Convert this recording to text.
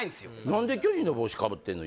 何で巨人の帽子かぶってんの？